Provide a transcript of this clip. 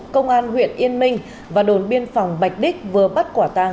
công an huyện yên minh và đồn biên phòng bạch đích vừa bắt quả tang